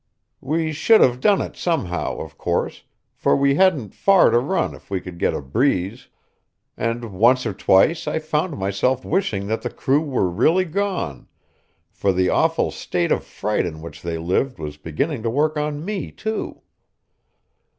We should have done it somehow, of course, for we hadn't far to run if we could get a breeze; and once or twice I found myself wishing that the crew were really gone, for the awful state of fright in which they lived was beginning to work on me too.